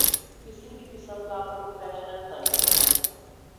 کسی بھی قسم کا پروفیشنل تعلق